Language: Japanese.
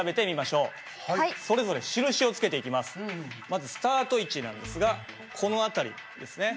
まずスタート位置なんですがこの辺りですね。